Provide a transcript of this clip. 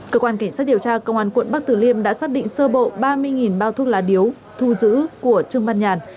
cơ quan cảnh sát điều tra công an quận bắc tử liêm đã xác định sơ bộ ba mươi bao thuốc lá điếu thu giữ của trương văn nhàn